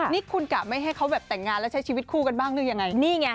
นี่คุณกะไม่ให้เขาแบบแต่งงานแล้วใช้ชีวิตคู่กันบ้างหรือยังไงนี่ไง